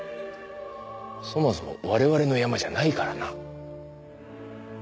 そもそも我々のヤマじゃないからな。